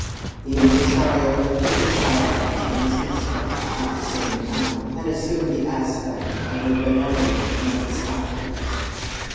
The impresario lifted his eyebrows and his mustaches at the same time and assumed the aspect of a benevolent Mephistopheles.